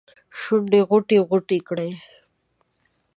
شونډې غوټې ، غوټې کړي